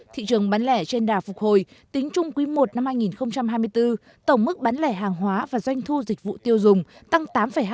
thị trường bán lẻ trên đà phục hồi tính chung quý i năm hai nghìn hai mươi bốn tổng mức bán lẻ hàng hóa và doanh thu dịch vụ tiêu dùng tăng tám hai